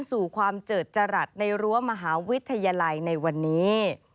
สู่ความเจิดจรัสในรั้วมหาวิทยาลัยในวันนี้